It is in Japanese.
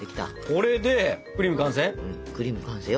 これでクリーム完成？